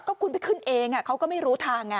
ก็คุณไปขึ้นเองเขาก็ไม่รู้ทางไง